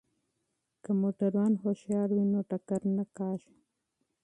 که موټروان هوښیار وي نو ټکر نه کیږي.